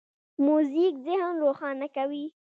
موزیک ذهن روښانه کوي.